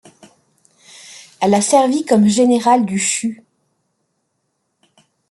Elle a servi comme général du Shu.